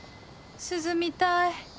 涼みたい